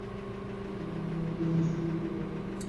কিন্তু এ-মেয়ে হয়তো এ-সব পছন্দ করবে না।